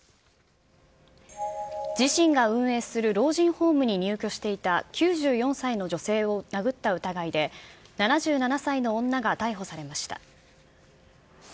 自身が運営する老人ホームに入居していた９４歳の女性を殴った疑いで、７７歳の女が逮捕されました。